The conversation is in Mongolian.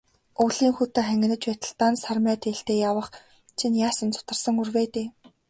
Өвлийн хүйтэн хангинаж байтал, дан сармай дээлтэй явах чинь яасан зутарсан үр вэ дээ.